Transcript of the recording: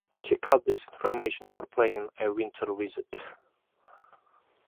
Check out this information for planning a winter visit.